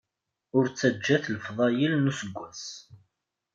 Ur ttaǧǧat lefḍayel n useggas.